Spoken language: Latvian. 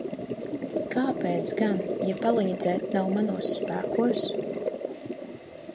Kāpēc gan, ja palīdzēt nav manos spēkos?